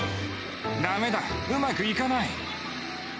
だめだ、うまくいかない。